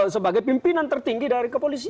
sebagai pimpinan tertinggi dari kepolisian